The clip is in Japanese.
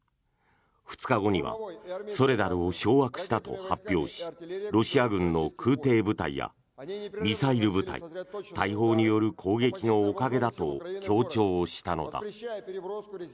２日後にはソレダルを掌握したと発表しロシア軍の空てい部隊や、ミサイル部隊大砲による攻撃のおかげだと強調したのだ。